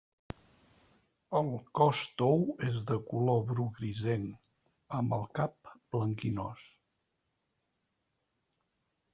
El cos tou és de color bru grisenc, amb el cap blanquinós.